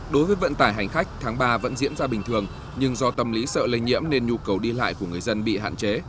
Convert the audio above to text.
đối với vận tải hành khách tháng ba vẫn diễn ra bình thường nhưng do tâm lý sợ lây nhiễm nên nhu cầu đi lại của người dân bị hạn chế